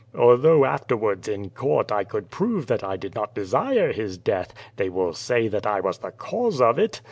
Although afterwards in court I could prove that I did not desire his death, they will say that I was the cause of it.